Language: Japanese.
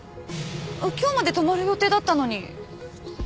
今日まで泊まる予定だったのに。